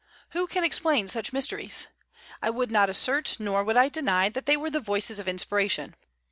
Who can explain such mysteries? I would not assert, nor would I deny, that they were the voices of inspiration.